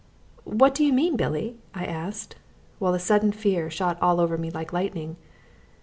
"What do you mean, Billy?" I asked, while a sudden fear shot all over me like lightning.